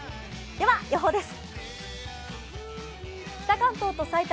では予報です。